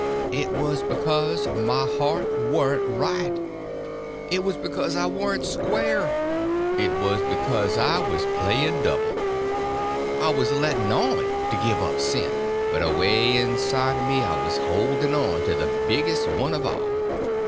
It was because my heart warn't right; it was because I warn't square; it was because I was playing double. I was letting on to give up sin, but away inside of me I was holding on to the biggest one of all.